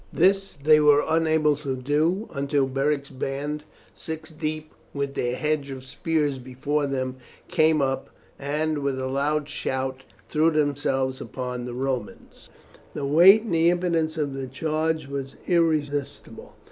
This they were unable to do, until Beric's band six deep with their hedge of spears before them came up, and with a loud shout threw themselves upon the Romans. The weight and impetus of the charge was irresistible.